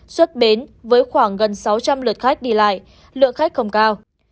xuất bến với khoảng gần sáu trăm linh lượt khách đi lại lượng khách không cao